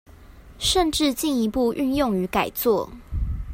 甚至進一步運用與改作